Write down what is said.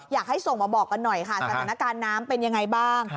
อยากให้ส่งมาบอกกันหน่อยค่ะสถานการณ์น้ำเป็นยังไงบ้าง